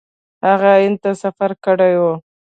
هغه هند ته سفر کړی و.